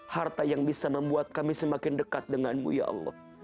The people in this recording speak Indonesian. harta yang bisa membuat kami semakin dekat denganmu ya allah